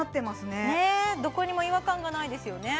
ねっどこにも違和感がないですよね